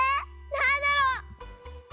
なんだろう？